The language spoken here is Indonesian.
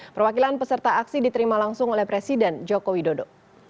perwakilan peserta aksi diterima langsung oleh presiden joko widodo